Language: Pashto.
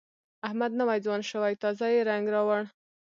احمد نوی ځوان شوی، تازه یې رنګ راوړ.